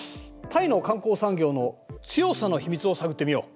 タイの観光産業の強さの秘密を探ってみよう。